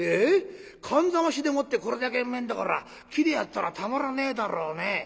燗冷ましでもってこれだけうめえんだから生でやったらたまらねえだろうね。